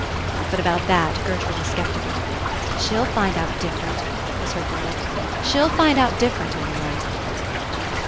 '' But about that Gertrude was sceptical. "She'll find out different," was her verdict. "She'll find out different all right."